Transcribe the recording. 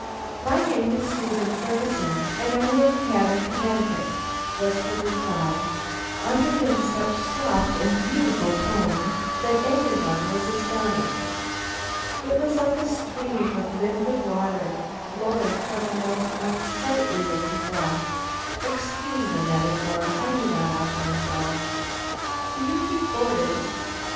"My name is Susan Ferguson, and I live in Haddam, Connecticut," was her reply, uttered in such soft and beautiful tones that every one was astonished. It was like a stream of limpid water flowing from a most unsightly looking rock. Excuse the metaphor; I do not often indulge. "Do you keep boarders?"